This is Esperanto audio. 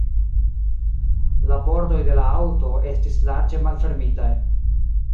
La pordoj de la aŭto estis larĝe malfermitaj.